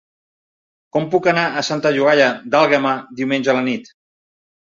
Com puc anar a Santa Llogaia d'Àlguema diumenge a la nit?